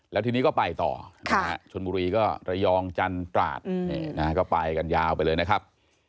แล้วทีนี้ก็ไปต่อชนบุรีก็ระยองจันตราดก็ไปกันยาวไปเลยนะครับ